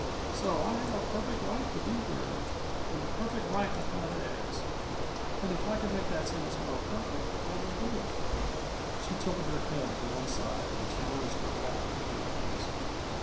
So I have a perfect right to be here, and a perfect right to hunt eggs; and if I could make that sentence more 'perfect,' I would do it." She tilted her head to one side and challenged a laugh with her eyes.